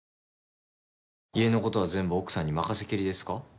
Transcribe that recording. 家のことは全部奥さんに任せきりですか？